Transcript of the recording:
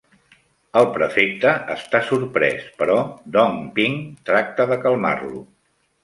El prefecte està sorprès, però Dong Ping tracta de calmar-lo.